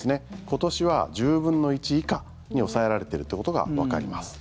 今年は１０分の１以下に抑えられているということがわかります。